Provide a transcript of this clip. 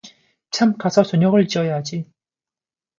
참 가서 저녁을 지어야지.